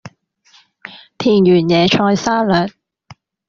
田園野菜沙律